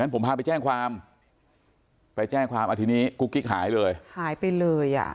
ผ่านไปแจ้งความทีนี้กุ๊กกิ๊กหายเลย